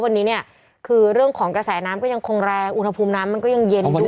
อุณหภูมิน้ำก็ยังคงแรงอุณหภูมิน้ำมันก็ยังเย็นด้วยอะไรด้วย